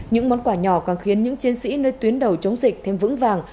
những món quà nhỏ còn khiến những chiến sĩ nơi tuyến đầu chống dịch thêm vững vàng